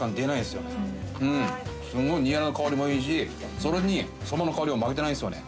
すごいニラの香りもいいしそれにそばの香りも負けてないですよね。